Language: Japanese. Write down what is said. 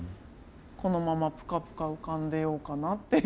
このままプカプカ浮かんでようかなっていう。